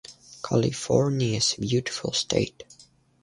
California is a beautiful state.